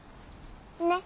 ねっ。